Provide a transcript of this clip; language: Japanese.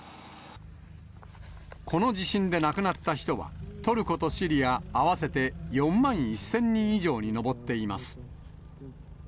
この地震で亡くなった人は、トルコとシリア、合わせて４万１０００人以上に上っています。